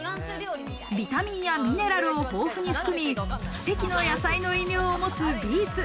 ビタミンやミネラルを豊富に含み、奇跡の野菜の異名を持つビーツ。